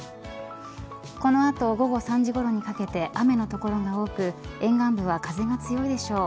この後、午後３時ごろにかけて雨の所が多く沿岸部は風が強いでしょう。